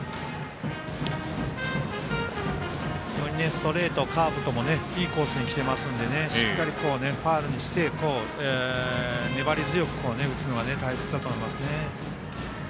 ストレート、カーブともいいコースにきてますのでしっかり、ファウルにして粘り強く打つのが大切だと思いますね。